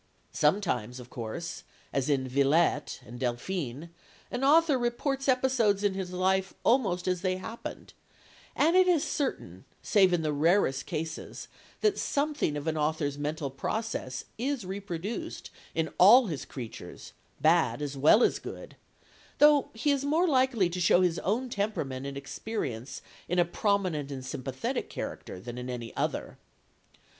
Sometimes, of course, as in Villette and Delphine, an author reports episodes in his life almost as they happened, and it is certain, save in the rarest cases, that something of an author's mental processes is reproduced in all his creatures, "bad" as well as "good," though he is more likely to show his own temperament and experience in a prominent and sympathetic character than in any other.